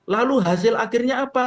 lalu hasil akhirnya apa